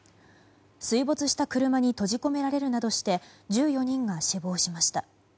水没した車に閉じ込められるなどして１４人が死亡しました。